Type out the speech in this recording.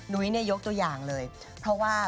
นุ้ยเนี่ยยกตัวอย่างเลยเพราะว่า